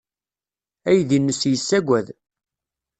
Aydi-nnes yessaggad.